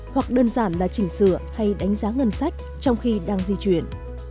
hoặc đơn giản là chỉnh sửa hay đánh giá ngân sách trong khi đang di chuyển